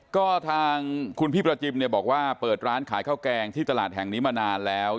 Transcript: ก็ทางคุณพี่ประจิมเนี่ยบอกว่าเปิดร้านขายข้าวแกงที่ตลาดแห่งนี้มานานแล้ว